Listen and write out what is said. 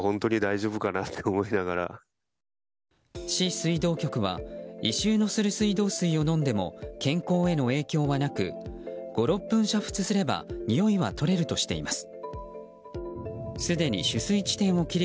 市水道局は異臭のする水道水を飲んでも健康への影響はなく５６分、煮沸すればにおいはとれるとしています。